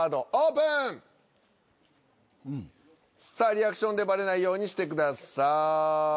さあリアクションでバレないようにしてください。